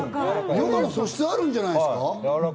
ヨガの素質あるんじゃないですか？